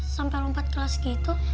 sampai lompat kelas gitu